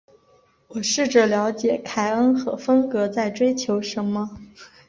我试着了解凯恩和芬格在追求什么。